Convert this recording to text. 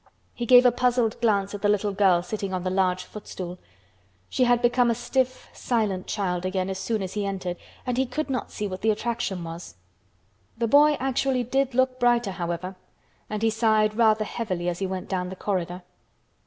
He gave a puzzled glance at the little girl sitting on the large stool. She had become a stiff, silent child again as soon as he entered and he could not see what the attraction was. The boy actually did look brighter, however—and he sighed rather heavily as he went down the corridor.